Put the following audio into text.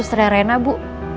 susternya saya susrena bu